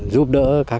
giúp đỡ các nạn nhân